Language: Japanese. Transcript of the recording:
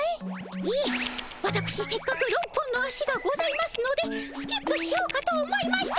いえわたくしせっかく６本の足がございますのでスキップしようかと思いまして。